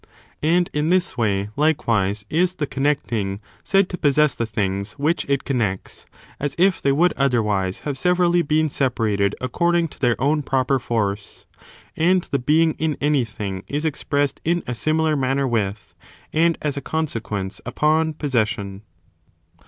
And in this way, likewise, is the connecting said to possess the things which it connects, as if they would otherwise have severally been separated according to their own proper force. And the being in anything is expressed in a similar manner with, and as a consequence upon, possession.